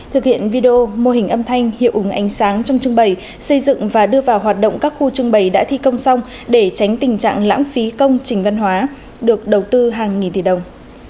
thực hiện video mô hình âm thanh hiệu ứng ánh sáng trong trưng bày xây dựng và đưa vào hoạt động các khu trưng bày đã thi công xong để tránh tình trạng lãng phí công trình văn hóa được đầu tư hàng nghìn tỷ đồng